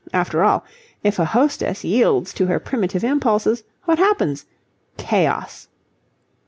After all, if a hostess yields to her primitive impulses, what happens? Chaos.